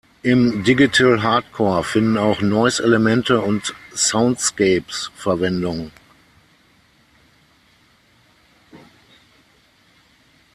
Im Digital Hardcore finden auch Noise-Elemente und Soundscapes Verwendung.